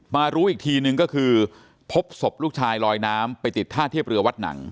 รู้อีกทีนึงก็คือพบศพลูกชายลอยน้ำไปติดท่าเทียบเรือวัดหนัง